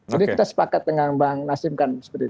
jadi kita sepakat dengan bang nasim khan